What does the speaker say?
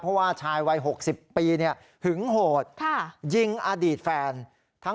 เพราะว่าชายวัย๖๐ปีหึงโหดยิงอดีตแฟนทั้ง